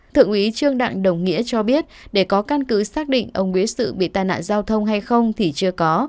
thượng úy trương đặng đồng nghĩa cho biết để có căn cứ xác định ông nguyễn sự bị tai nạn giao thông hay không thì chưa có